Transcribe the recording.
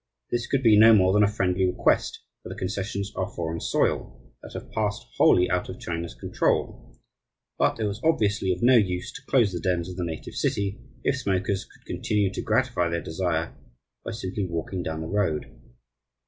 This could be no more than a friendly request, for the concessions are foreign soil, that have passed wholly out of China's control; but it was obviously of no use to close the dens of the native city if smokers could continue to gratify their desire by simply walking down the road.